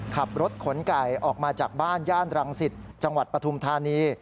ขับรถขนไก่ออกมาจากบ้านย่านรังสิตจังหวัดปฐุมธานี